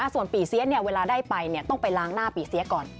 ส่วนปีเสียเวลาได้ไปต้องไปล้างหน้าปีเสียก่อน